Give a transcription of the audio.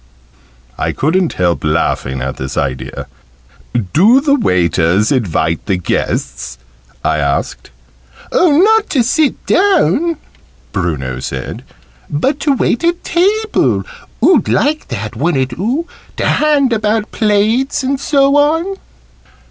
I couldn't help laughing at this idea. "Do the waiters invite the guests?" I asked. "Oh, not to sit down!" Bruno said. "But to wait at table. Oo'd like that, wouldn't oo? To hand about plates, and so on."